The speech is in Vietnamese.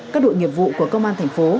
các đội nghiệp vụ của công an thành phố